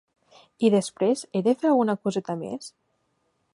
I després, he de fer alguna coseta més?